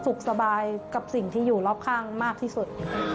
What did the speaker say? สุขสบายกับสิ่งที่อยู่รอบข้างมากที่สุด